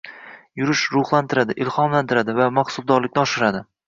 Yurish ruhlantiradi, ilhomlantiradi va mahsuldorlikni oshiradi